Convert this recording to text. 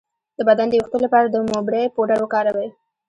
د بدن د ویښتو لپاره د موبری پوډر وکاروئ